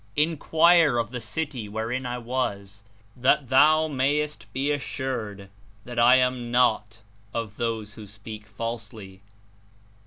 Inquire of the city wherein I was, that thou mayest be assured that I am not of those who speak falsely.